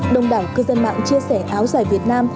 đồng đảo cư dân mạng chia sẻ áo giải việt nam